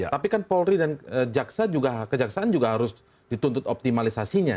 tapi kan polri dan jaksa juga kejaksaan juga harus dituntut optimalisasinya